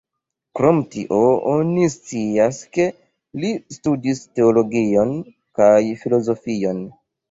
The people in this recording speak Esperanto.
Krom tio, oni scias ke li studis teologion kaj filozofion.